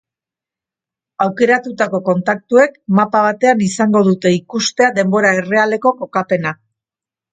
Aukeratutako kontaktuek mapa batean izango dute ikustea denbora errealeko kokapena.